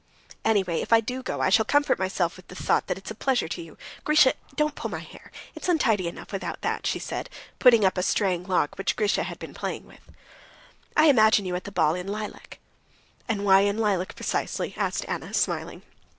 "Anyway, if I do go, I shall comfort myself with the thought that it's a pleasure to you ... Grisha, don't pull my hair. It's untidy enough without that," she said, putting up a straying lock, which Grisha had been playing with. "I imagine you at the ball in lilac." "And why in lilac precisely?" asked Anna, smiling.